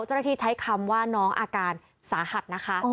เจ้าหน้าที่ใช้คำว่าน้องอาการสาหัสนะคะ